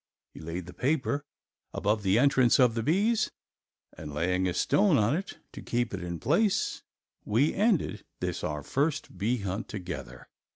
He laid the paper above the entrance of the bees, and, laying a stone on it to keep it in place, we ended this our first bee hunt together.